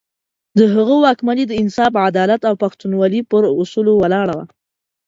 د هغه واکمني د انصاف، عدالت او پښتونولي پر اصولو ولاړه وه.